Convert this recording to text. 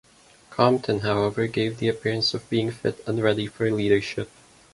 Compton, however, gave the appearance of being fit and ready for leadership.